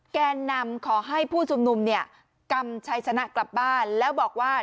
แกนนำขอให้ผู้ชุมนุมเนี่ยกำชัยชนะกลับบ้านแล้วบอกว่า